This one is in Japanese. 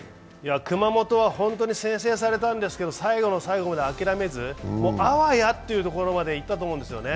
熊本は本当に先制されたんですけど最後の最後まで諦めずあわやというところまでいったと思うんですよね。